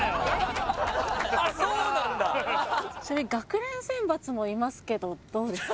学連選抜もいますけどどうですか？